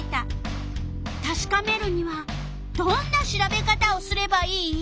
たしかめるにはどんな調べ方をすればいい？